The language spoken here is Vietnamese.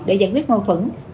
để giải quyết mâu thuẫn